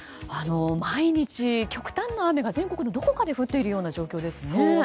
毎日、極端な雨が全国のどこかで降っているような状況ですね。